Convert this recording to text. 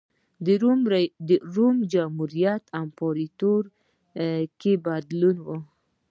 د روم جمهوریت او امپراتورۍ کې بدلونونه و